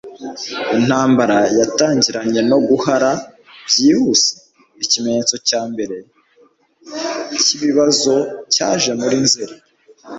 Intambara yatangiranye no guhana byihuse. Ikimenyetso cya mbere cyibibazo cyaje muri Nzeri